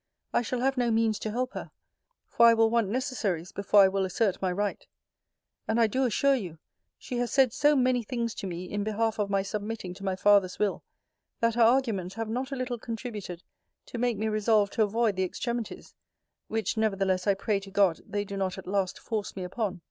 I shall have no means to help her; for I will want necessaries before I will assert my right: and I do assure you, she has said so many things to me in behalf of my submitting to my father's will, that her arguments have not a little contributed to make me resolve to avoid the extremities, which nevertheless I pray to God they do not at last force me upon.